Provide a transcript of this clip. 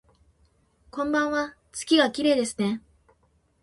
こんばんわ、月がきれいですね